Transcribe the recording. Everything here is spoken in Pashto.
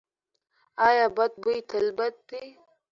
ایا بد بوی تل بد دی؟